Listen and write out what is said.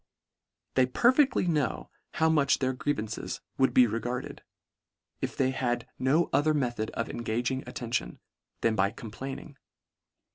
They perfectly know how much their grie vances would be regarded, if they had no o ther method of engaging attention, than by complaining.